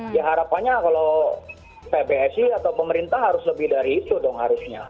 ya harapannya kalau pbsi atau pemerintah harus lebih dari itu dong harusnya